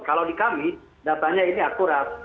kalau di kami datanya ini akurat